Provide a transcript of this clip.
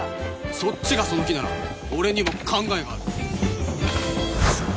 そっちがその気なら俺にも考えがある